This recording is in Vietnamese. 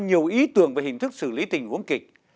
nhiều ý tưởng về hình thức xử lý tình huống kịch